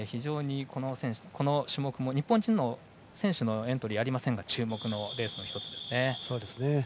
この種目、日本人選手のエントリーはありませんが注目のレースの１つですね。